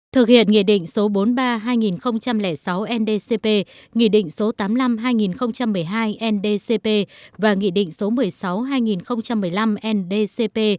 thực hiện nghị định số bốn mươi ba hai nghìn sáu ndcp nghị định số tám mươi năm hai nghìn một mươi hai ndcp và nghị định số một mươi sáu hai nghìn một mươi năm ndcp